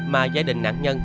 mà gia đình nạn nhân